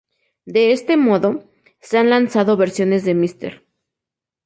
De este modo, se han lanzado versiones de Mr.